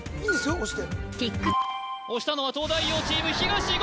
押してＴｉｋ押したのは東大王チーム東言